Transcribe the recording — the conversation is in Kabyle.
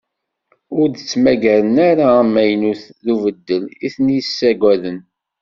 Ur d-ttmaggaren ara amaynut d ubeddel i ten-yessaggaden.